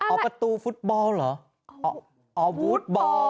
ออกประตูฟู้ตบอลเหรอ